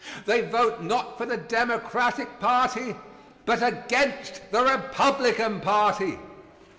They vote not for the Democratic party, but against the Republican party.